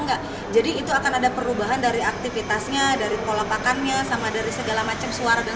enggak jadi itu akan ada perubahan dari aktivitasnya dari pola pakannya sama dari segala macam suara dan